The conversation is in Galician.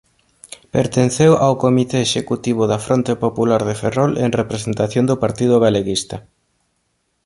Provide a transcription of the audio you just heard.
Pertenceu ao Comité Executivo da Fronte Popular de Ferrol en representación do Partido Galeguista.